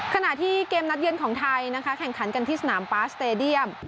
ขณะที่เกมนัดเยือนของไทยนะคะแข่งขันกันที่สนามปาสเตดียม